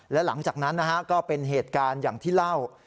และหลังจากนั้นนะฮะก็เป็นเหตุการณ์อย่างที่เล่า